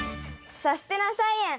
「さすてな菜園」。